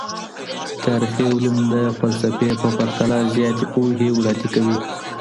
تاریخي علوم د فلسفې په پرتله زیاتي پوهي وړاندي کوي.